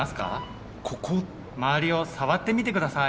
周りを触ってみて下さい。